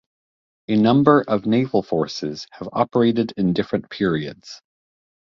A number of naval forces have operated in different periods.